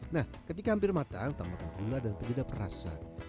nah ketika hampir matang tambahkan gula dan penyedap rasa